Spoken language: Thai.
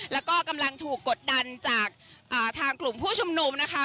แล้วก็กำลังถูกกดดันจากทางกลุ่มผู้ชุมนุมนะคะ